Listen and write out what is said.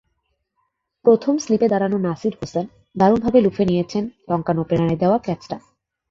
প্রথম স্লিপে দাঁড়ানো নাসির হোসেন দারুণভাবে লুফে নিয়েছেন লঙ্কান ওপেনারের দেওয়া ক্যাচটা।